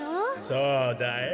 そうだよ。